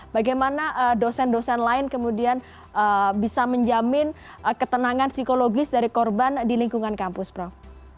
bagaimana dosen dosen lain kemudian bisa menjamin ketenangan psikologis dari korban di lingkungan kampus prof